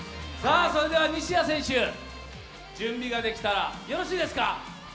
西矢選手、準備ができたらよろしいですか。